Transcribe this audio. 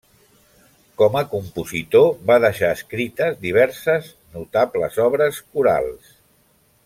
Com a compositor va deixar escrites diverses notables obres corals.